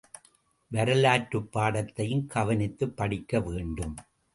வரலாற்றுப் பாடத்தையும் கவனித்துப் படிக்க வேண்டும்.